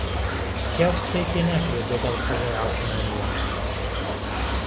پیاو قسەی پێ ناکرێ دهگهڵ قەزای عاسمانییه